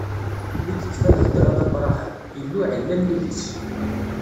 Mi yekfa lhedṛa d Abṛaham, Illu iɛella nnig-s.